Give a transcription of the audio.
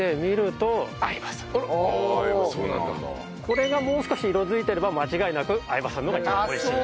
これがもう少し色づいてれば間違いなく相葉さんのが美味しい。